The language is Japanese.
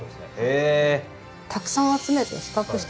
へえ。